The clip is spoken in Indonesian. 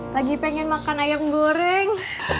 lagi pengen makan ayam goreng